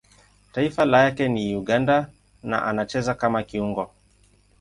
Taifa lake ni Uganda na anacheza kama kiungo.